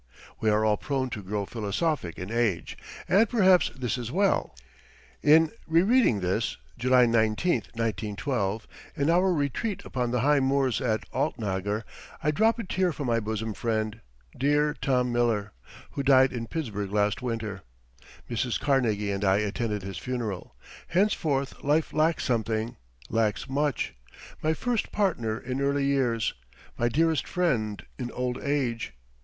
We are all prone to grow philosophic in age, and perhaps this is well. [In re reading this July 19, 1912 in our retreat upon the high moors at Aultnagar, I drop a tear for my bosom friend, dear Tom Miller, who died in Pittsburgh last winter. Mrs. Carnegie and I attended his funeral. Henceforth life lacks something, lacks much my first partner in early years, my dearest friend in old age.